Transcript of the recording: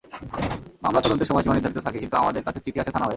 মামলায় তদন্তের সময়সীমা নির্ধারিত থাকে, কিন্তু আমাদের কাছে চিঠি আসে থানা হয়ে।